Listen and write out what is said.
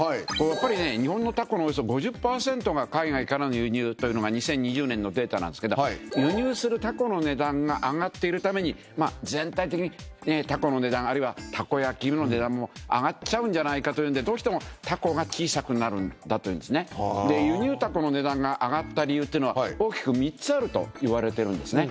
やっぱり日本のタコのおよそ５０％が海外からの輸入というのが２０２０年のデータなんですけど輸入するタコの値段が上がっているために全体的にタコの値段あるいはたこ焼きの値段も上がっちゃうんじゃないかというのでどうしても。で輸入タコの値段が上がった理由ってのは大きく３つあるといわれてるんですね。